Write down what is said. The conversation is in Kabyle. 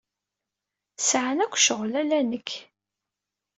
Sɛan akk ccɣel, ala nekk.